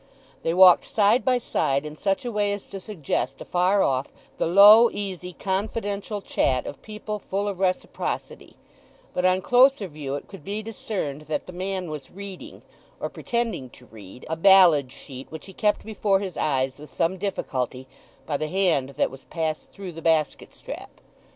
They walked side by side in such a way as to suggest afar off the low, easy, confidential chat of people full of reciprocity; but on closer view it could be discerned that the man was reading, or pretending to read, a ballad sheet which he kept before his eyes with some difficulty by the hand that was passed through the basket strap.